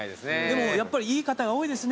でもやっぱりいい方が多いですね。